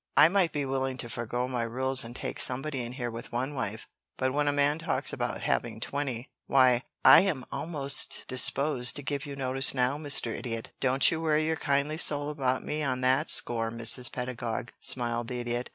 "I might be willing to forego my rules and take somebody in here with one wife, but when a man talks about having twenty why, I am almost disposed to give you notice now, Mr. Idiot." "Don't you worry your kindly soul about me on that score, Mrs. Pedagog," smiled the Idiot.